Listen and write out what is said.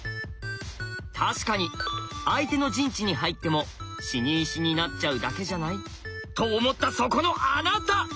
確かに相手の陣地に入っても死に石になっちゃうだけじゃない？と思ったそこのあなた！